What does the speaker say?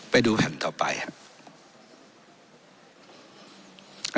ไปดูแผ่นต่อไปฮะ